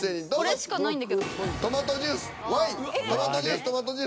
これしかないんだけど。